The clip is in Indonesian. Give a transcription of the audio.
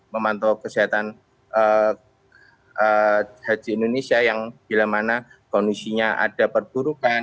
memantau kesehatan haji indonesia yang bila mana kondisinya ada perburukan